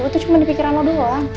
lo tuh cuma di pikiran lo doang